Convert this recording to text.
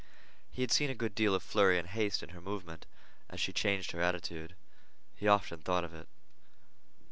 He had seen a good deal of flurry and haste in her movement as she changed her attitude. He often thought of it.